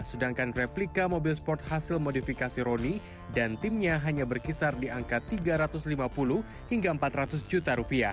sedangkan replika mobil sport hasil modifikasi ronny dan timnya hanya berkisar di angka tiga ratus lima puluh miliar